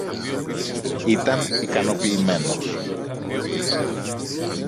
ήταν ικανοποιημένος